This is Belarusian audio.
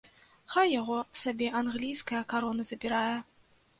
Хай яго сабе англійская карона забірае!